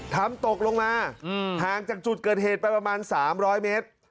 ทำตกลงมาห่างจากจุดเกิดเหตุไปประมาณ๓๐๐เมตร